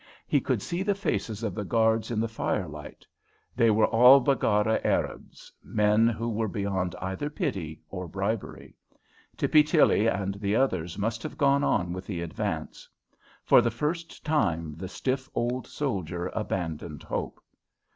He could see the faces of the guards in the firelight. They were all Baggara Arabs, men who were beyond either pity or bribery. Tippy Tilly and the others must have gone on with the advance. For the first time the stiff old soldier abandoned hope.